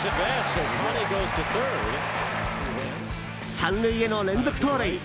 ３塁への連続盗塁！